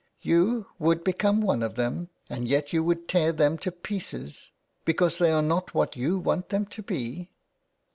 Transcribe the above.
" You would become one of them and yet you would tear them to pieces because they are not what you want them to be."